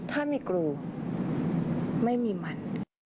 ถ้ามีกรูไม่มีมัน